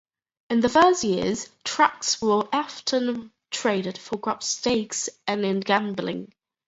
In the first years, tracts were often traded for grubstakes and in gambling.